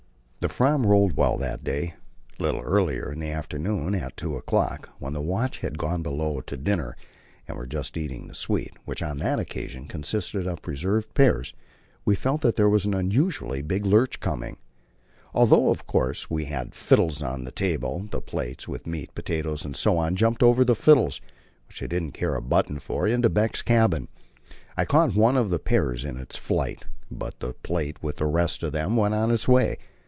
The Fram rolled well that day. A little earlier in the afternoon, at two o'clock, when the watch had gone below to dinner and were just eating the sweet, which on that occasion consisted of preserved pears, we felt that there was an unusually big lurch coming. Although, of course, we had fiddles on the table, the plates, with meat, potatoes, etc., jumped over the fiddles, which they didn't care a button for, into Beck's cabin. I caught one of the pears in its flight, but the plate with the rest of them went on its way.